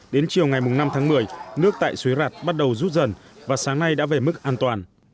đến chiều ngày năm tháng một mươi nước tại suối rạt bắt đầu rút dần và sáng nay đã về mức an toàn